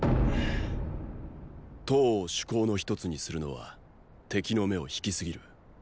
騰を主攻の一つにするのは敵の目を引きすぎる。